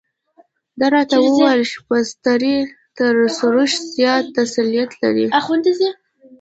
ده راته وویل شبستري تر سروش زیات تسلط لري.